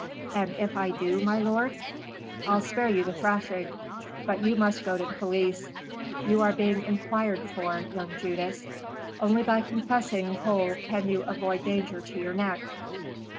"And if I do, my lord?" "I'll spare you the thrashing. But you must go to the police. You are being enquired for, young Judas. Only by confessing the whole can you avoid danger to your neck."